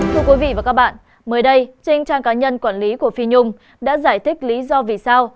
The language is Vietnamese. thưa quý vị và các bạn mới đây trên trang cá nhân quản lý của phi nhung đã giải thích lý do vì sao